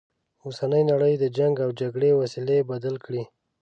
اوسنۍ نړی د جنګ و جګړې وسیلې بدل کړي.